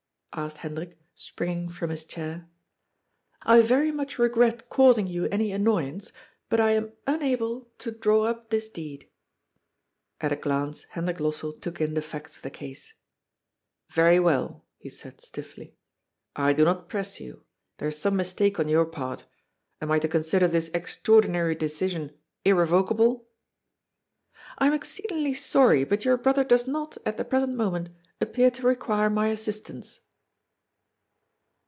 asked Hendrik, springing from his chair. " I very much regret causing you any annoyance, but I am unable to draw up this deed." At a glance Hendrik Lossell took in the facts of the case. " Very well," he said stiffly. " I do not press you. There is some mistake on your part. Am I to consider this extraordinary decision irrevocable ?"" I am exceedingly sorry, but your brother does not, at the present moment, appear to require my assistance."